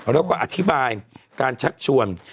แล้วก็อธิบายการชักชวน